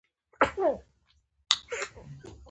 ریښتیا تل دروند وي، خو تل ګټونکی وي.